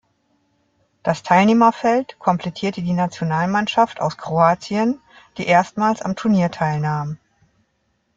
Das Teilnehmerfeld komplettierte die Nationalmannschaft aus Kroatien die erstmals am Turnier teilnahm.